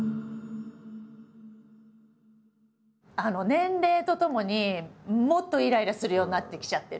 年齢とともにもっといらいらするようになってきちゃってるし。